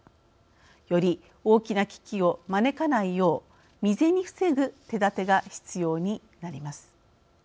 より大きな危機を招かないよう未然に防ぐ手だてが必要になります。